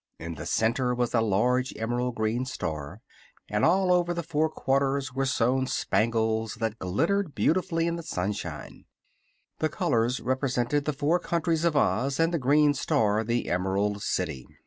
In the center was a large emerald green star, and all over the four quarters were sewn spangles that glittered beautifully in the sunshine. The colors represented the four countries of Oz, and the green star the Emerald City.